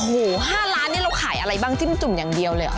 โอ้โห๕ล้านนี่เราขายอะไรบ้างจิ้มจุ่มอย่างเดียวเลยเหรอ